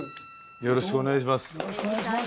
よろしくお願いします。